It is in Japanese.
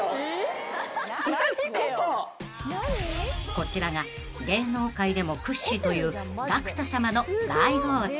［こちらが芸能界でも屈指というＧＡＣＫＴさまの大豪邸］